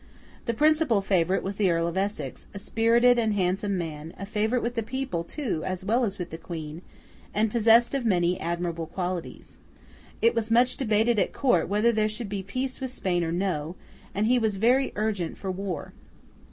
The principal favourite was the Earl of Essex, a spirited and handsome man, a favourite with the people too as well as with the Queen, and possessed of many admirable qualities. It was much debated at Court whether there should be peace with Spain or no, and he was very urgent for war.